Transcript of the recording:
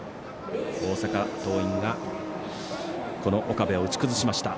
大阪桐蔭がこの岡部を打ち崩しました。